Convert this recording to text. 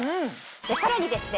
さらにですね